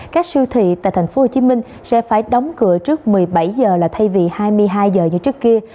các siêu thị tại tp hcm sẽ phải đóng cửa trước một mươi bảy h là thay vì hai mươi hai giờ như trước kia